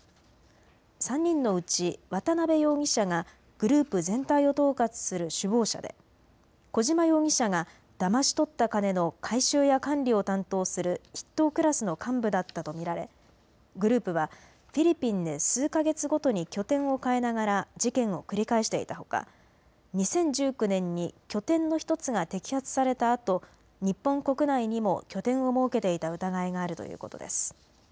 ３人のうち渡邉容疑者がグループ全体を統括する首謀者で小島容疑者がだまし取った金の回収や管理を担当する筆頭クラスの幹部だったと見られグループはフィリピンで数か月ごとに拠点を変えながら事件を繰り返していたほか２０１９年に拠点の１つが摘発されたあと日本国内にも拠点を設けていた疑いがあるということです。